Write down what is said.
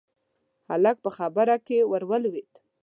هلک په خبره کې ورولوېد: